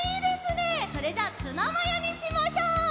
それじゃあツナマヨにしましょう！